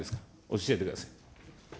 教えてください。